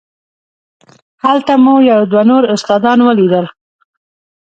هلته مو یو دوه نور استادان ولیدل.